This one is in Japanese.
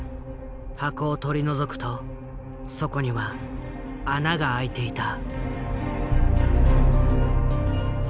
箱を取り除くとそこには穴があいていた。